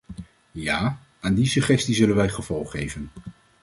Ja, aan die suggestie zullen wij gevolg geven.